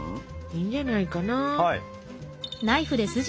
いいんじゃないかな？